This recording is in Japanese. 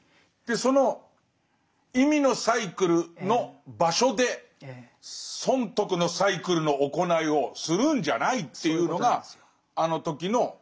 その意味のサイクルの場所で損得のサイクルの行いをするんじゃないっていうのがあの時のイエスの怒り。